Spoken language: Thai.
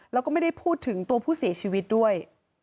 แล้วก็ไม่ได้พูดถึงตัวผู้เสียชีวิตด้วย